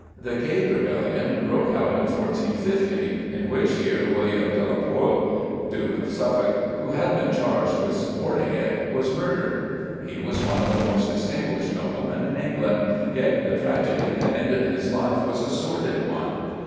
The Cade rebellion broke out in 1450, in which year William de la Pole, Duke of Suffolk, who had been charged with supporting it, was murdered. He was one of the most distinguished noblemen in England, yet the tragedy that ended his life was a sordid one.